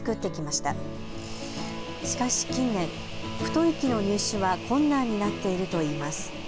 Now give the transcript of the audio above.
しかし近年、太い木の入手は困難になっているといいます。